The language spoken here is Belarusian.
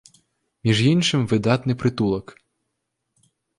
Між іншым, выдатны прытулак.